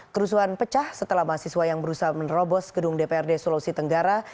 kerusuhan pecah setelah mahasiswa yang berusaha menerobos gedung dprd sulawesi tenggara